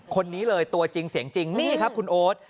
คนนี้เลยตัวจริงเสียงจริงนี่ครับคุณโอ๊ต